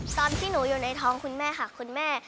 ตอนที่หนูอยู่ในท้องคุณแม่ค่ะคุณแม่